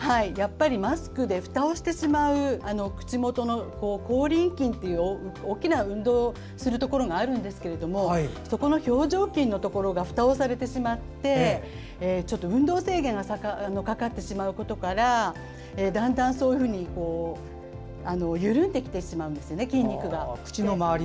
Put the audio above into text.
マスクでふたをしてしまう口元の口輪筋という大きく運動するところがあるんですがそこの表情筋のところがふたをされてしまって運動制限がかかってしまうことからだんだん、そういうふうに緩んできてしまうんです、筋肉が。